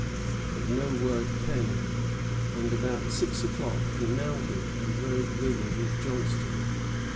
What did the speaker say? But no word came, and about six o'clock he mounted and rode thither with Johnstone.